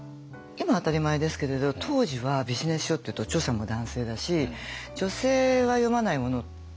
今当たり前ですけれど当時はビジネス書っていうと著者も男性だし女性は読まないものって。